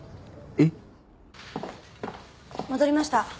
えっ？戻りました。